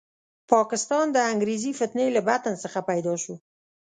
پاکستان د انګریزي فتنې له بطن څخه پیدا شو.